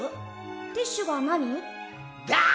ティッシュがなに？